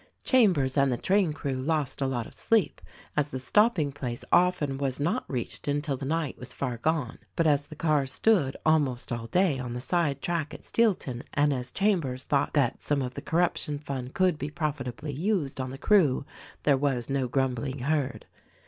Giambers and the train crew lost a 176 THE RECORDING ANGEL lot of sleep — as the stopping place often was not reached until the night was far gone; — but as the car stood almost all day on the side track at Steelton, and as Chambers thought that some of the corruption fund could be profitably used on the crew, there was no grumbling heard.